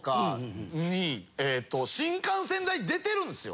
新幹線代出てるんすよ。